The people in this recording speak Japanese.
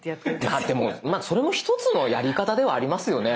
ああでもそれも１つのやり方ではありますよね。